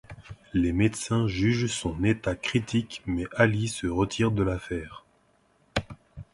Les médecins jugent son état critique mais Ally se tire de l'affaire.